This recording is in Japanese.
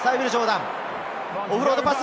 オフロードパス。